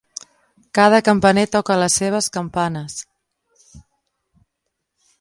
Cada campaner toca les seves campanes.